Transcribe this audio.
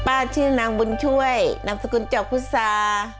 ป้าชื่อนางบุญช่วยนางสกุลจบทุสา